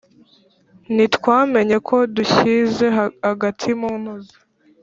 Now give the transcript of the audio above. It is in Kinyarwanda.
ntitwamenya ko dushyize agati mu ntozi